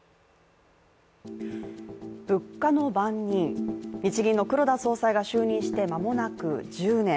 物価の番人、日銀の黒田総裁が就任して間もなく１０年。